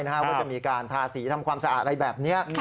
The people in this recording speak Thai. ว่าจะมีการทาสีทำความสะอาดอะไรแบบนี้